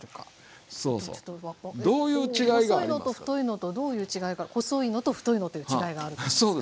細いのと太いのとどういう違いが細いのと太いのという違いがあると思いますけど。